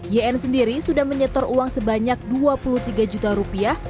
yn sendiri sudah menyetor uang sebanyak dua puluh tiga juta rupiah